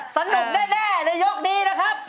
สนุกแน่ในยกนี้นะครับ